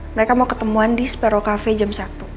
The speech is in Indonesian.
mereka mau ketemuan di sparo cafe jam satu